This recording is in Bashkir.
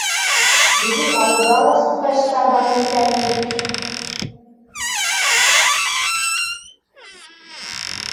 — Беҙҙең ауылда ла стукачтар бармы икән ни?